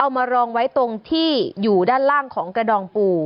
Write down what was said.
มารองไว้ตรงที่อยู่ด้านล่างของกระดองปู